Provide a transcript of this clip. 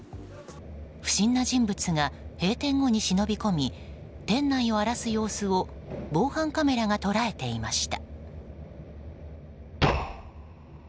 不審な人物が閉店後に忍び込み店内を荒らす様子を防犯カメラが捉えていました。